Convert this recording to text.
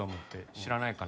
知らないかな？